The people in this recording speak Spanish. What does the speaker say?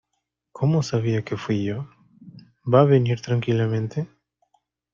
¿ Cómo sabía que fui yo? ¿ va a venir tranquilamente ?